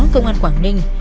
công an quảng ninh